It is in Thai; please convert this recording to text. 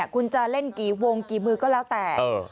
คุณจะเล่นกี่วงกี่มือก็แล้วแต่